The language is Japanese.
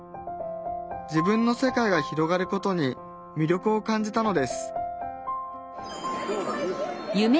自分の世界が広がることに魅力を感じたのです